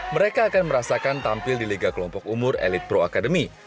mereka akan merasakan tampil di liga kelompok umur elite pro academy